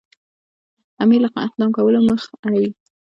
امیر له اقدام کولو مخ اړوي.